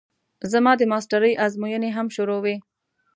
زما د ماسټرۍ ازموينې هم شروع وې.